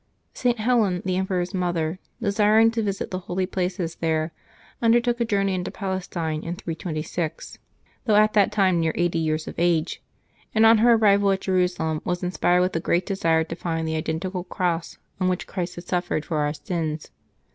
St. Helen, the emperor's mother, desiring to visit the holy places there, undertook a Journey into Palestine in 326, though at that time near eighty years of age; and on her arrival at Jerusalem was inspired with a great desire to May 33 LIVES OF THE SAINTS 167 find the identical cross on which Christ had suffered for our sins.